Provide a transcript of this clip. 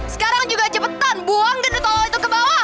sekarang juga cepetan buang gendut lo itu ke bawah